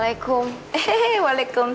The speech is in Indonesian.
aku biarkan mas